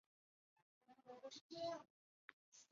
他们的绘画与雕塑是最具特色与代表性的。